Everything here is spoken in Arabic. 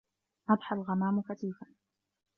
أَضْحَى الْغَمَامُ كَثِيفًا.